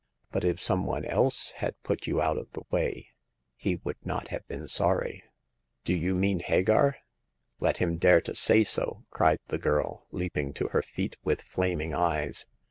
But if some one else had put you out of the way, he would not have been sorry." Do you mean Hagar ?"Let him dare to say so !" cried the girl, leaping to her feet with flaming eyes.